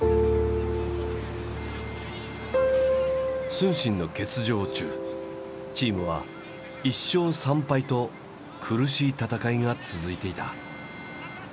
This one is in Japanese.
承信の欠場中チームは１勝３敗と苦しい戦いが続いていた。